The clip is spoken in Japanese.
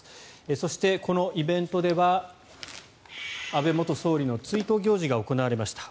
そしてこのイベントでは安倍元総理の追悼行事が行われました。